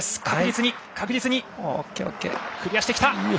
確実に確実にクリアしてきた。